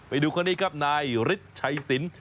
ไปดูคนนี้ครับนายฤทธิ์ชัยสิน